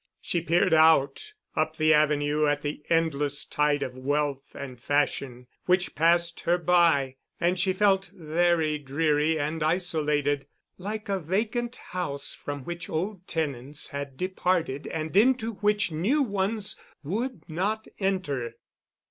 She peered out up the avenue at the endless tide of wealth and fashion which passed her by, and she felt very dreary and isolated, like a vacant house from which old tenants had departed and into which new ones would not enter.